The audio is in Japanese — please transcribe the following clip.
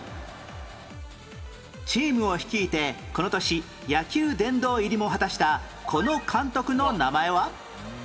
チームを率いてこの年野球殿堂入りも果たしたこの監督の名前は？